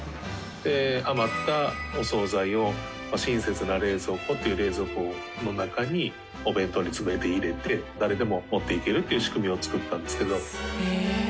で余ったお総菜を「親切な冷蔵庫」という冷蔵庫の中にお弁当に詰めて入れて誰でも持っていけるっていう仕組みを作ったんですけど。